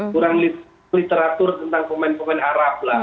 kurang literatur tentang pemain pemain arab lah